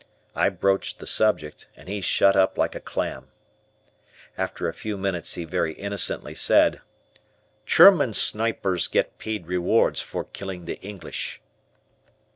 I broached the subject and he shut up like a clam. After a few minutes he very innocently said: "German snipers get paid rewards for killing the English."